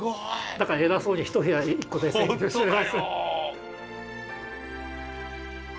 だから偉そうに１部屋１個で占領してます。